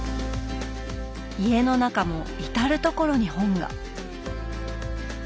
家の中も至る所に本が。